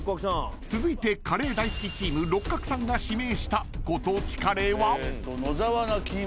［続いてカレー大好きチーム六角さんが指名したご当地カレーは？］